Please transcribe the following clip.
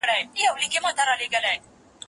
زه اوږده وخت کښېناستل کوم!.